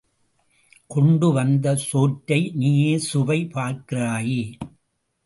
கொண்டு வந்த சோற்றை நீயே சுவை பார்க்கிறாயே?